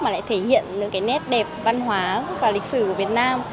mà lại thể hiện được cái nét đẹp văn hóa và lịch sử của việt nam